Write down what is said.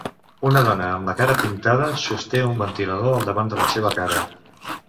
Una dona amb la cara pintada sosté un ventilador al davant de la seva cara.